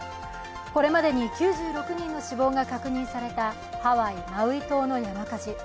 これまでに９６人の死亡が確認されたハワイ・マウイ島の山火事。